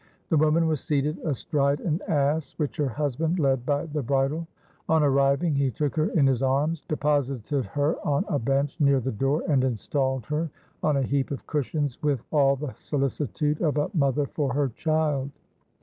The woman was seated astride an ass, which her husband led by the bridle. On arriving, he took her in his arms, deposited her on a bench near the door, and installed her on a heap of cushions with all the solicitude of a mother for her child.